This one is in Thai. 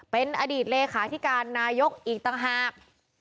เป็นอดีตเลขาธิการนายกอีกต่างหาก